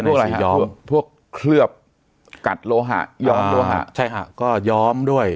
พวกอะไรยอมพวกเคลือบกัดโลหะยอมโลหะใช่ฮะก็ย้อมด้วย